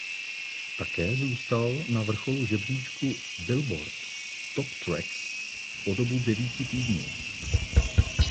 Také zůstal na vrcholu žebříčku "Billboard" Top Tracks po dobu devíti týdnů.